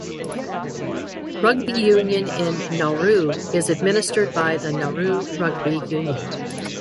Rugby union in Nauru is administered by the Nauru Rugby Union.